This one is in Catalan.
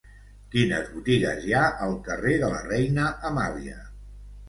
Quines botigues hi ha al carrer de la Reina Amàlia?